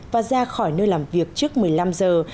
và ra khỏi nơi làm việc trước mùa xuân